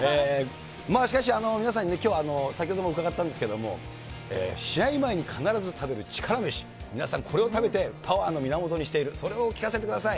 まあしかし、皆さんに先ほどもうかがったんですけれども、試合前に必ず食べる力飯、皆さん、これを食べて、パワーの源にしている、それをお聞かせください。